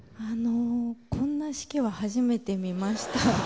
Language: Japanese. こんな指揮は初めて見ました。